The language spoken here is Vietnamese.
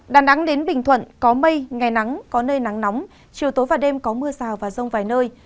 đà nẵng đến bình thuận có mây ngày nắng có nơi nắng nóng chiều tối và đêm có mưa rào và rông vài nơi